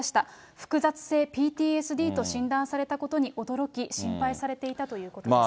複雑性ＰＴＳＤと診断されたことに驚き、心配されていたということです。